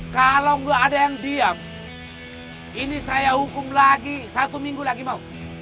kalau nggak ada yang diam ini saya hukum lagi satu minggu lagi mau